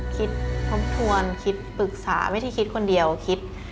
ทบทวนคิดปรึกษาไม่ได้คิดคนเดียวคิด